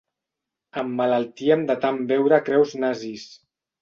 Emmalaltíem de tan veure creus nazis.